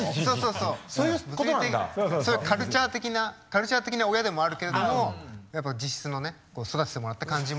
そういうカルチャー的な親でもあるけれどもやっぱ実質のね育ててもらった感じもある。